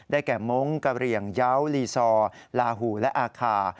แก่มงค์กะเหลี่ยงเยาว์ลีซอร์ลาหูและอาคา